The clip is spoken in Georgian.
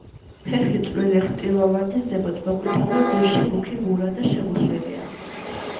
ფეხი წვრილი, ხრტილოვანი, ზემოთ მოყვითალო, ძირში მუქი მურა და შებუსვილია.